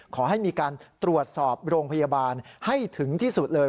ขอให้มีการตรวจสอบโรงพยาบาลให้ถึงที่สุดเลย